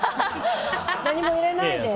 何も入れないで。